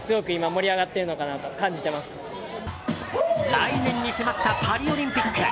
来年に迫ったパリオリンピック。